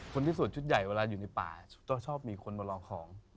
คนที่สวดชุดใหญ่อยู่ในปลาต้องมีคนมาลองของ